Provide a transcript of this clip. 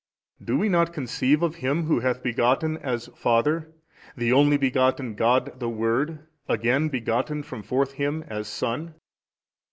A. Do we not conceive of Him Who hath begotten as Father, the Only Begotten God the Word again begotten from forth Him as Son?